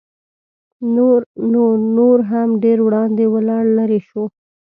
نو نور هم ډېر وړاندې ولاړ لېرې شو.